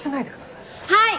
はい！